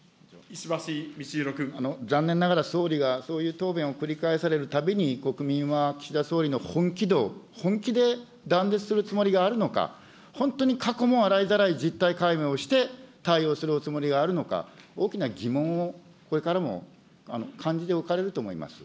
残念ながら、総理がそういう答弁を繰り返されるたびに、国民は岸田総理の本気度、本気で断絶するつもりがあるのか、本当に過去も洗いざらい実態解明をして、対応するおつもりがあるのか、大きな疑問をこれからも感じておかれると思います。